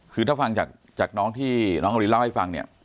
คือถ้าฟังจากน้องที่น้องนารินเล่าให้ฟังเนี่ย